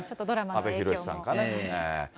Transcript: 阿部寛さんかね。